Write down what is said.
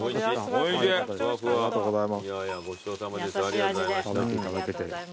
ありがとうございます。